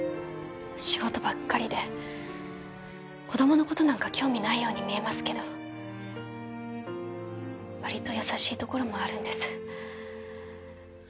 仕事ばっかりで子どものことなんか興味ないように見えますけどわりと優しいところもあるんです